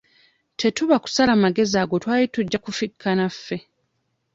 Tetuba kusala magezi ago twali tujja kufikka naffe.